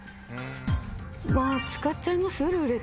使っちゃいます？